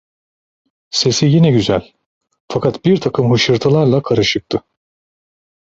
Sesi yine güzel, fakat birtakım hışırtılarla karışıktı.